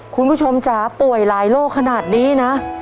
คุณผู้ชมจำป่วยหลายโรคขนาดนี้น่ะ